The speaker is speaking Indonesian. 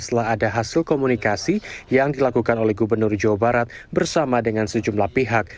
setelah ada hasil komunikasi yang dilakukan oleh gubernur jawa barat bersama dengan sejumlah pihak